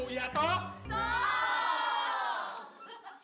nih terkasih studying dulu besides that